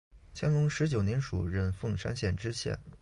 乾隆十九年署任凤山县知县。